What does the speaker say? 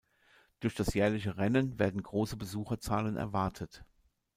Durch das jährliche Rennen werden große Besucherzahlen erwartet.